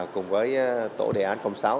cùng với tổ đề án công xáo